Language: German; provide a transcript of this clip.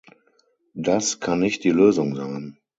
Das kann nicht die Lösung sein.